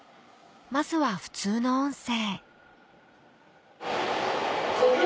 まずは普通の音声